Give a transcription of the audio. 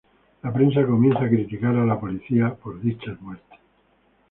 La prensa comienza a criticar a la policía por dichas muertes.